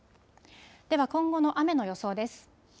では今後の雨の予想です。